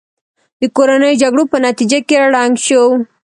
د کورنیو جګړو په نتیجه کې ړنګ شو.